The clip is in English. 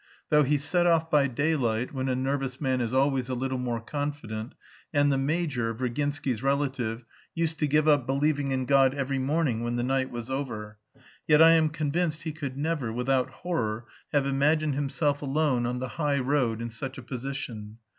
Though he set off by daylight, when a nervous man is always a little more confident (and the major, Virginsky's relative, used to give up believing in God every morning when the night was over), yet I am convinced he could never, without horror, have imagined himself alone on the high road in such a position.